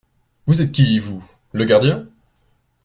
Vous êtes qui, vous? Le gardien ?